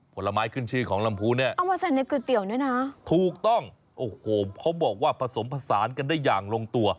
ผลไม้ขึ้นชื่อของลำพูเนี่ยเอามาใส่ในก๋วยเตี๋ยวด้วยนะถูกต้องโอ้โหเขาบอกว่าผสมผสานกันได้อย่างลงตัว